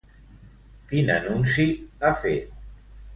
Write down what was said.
Quin anunci ha fet?